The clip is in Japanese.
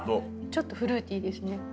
ちょっとフルーティーですね。